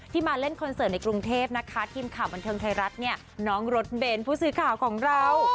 มาเล่นคอนเสิร์ตในกรุงเทพนะคะทีมข่าวบันเทิงไทยรัฐเนี่ยน้องรถเบนผู้สื่อข่าวของเรา